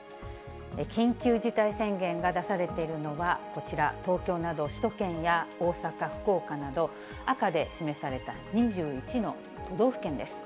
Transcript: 緊急事態宣言が出されているのはこちら、東京など首都圏や、大阪、福岡など、赤で示された２１の都道府県です。